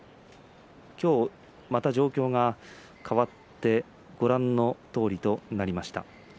今日また状況が変わってご覧のとおりとなりました。